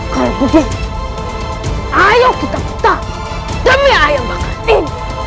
kalau begitu ayo kita muntah demi ayam bakar ini